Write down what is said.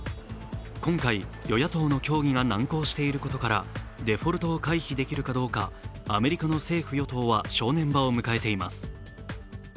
今回、与野党の協議が難航していることから、デフォルトを回避できるかどうかアメリカの政府・与党は正念場を迎えています。